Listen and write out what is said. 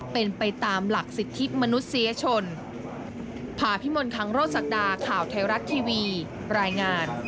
เป็นไปตามหลักศิษย์ที่มนุษย์เสียชน